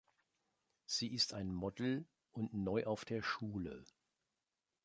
Sie ist ein Model und neu auf der Schule.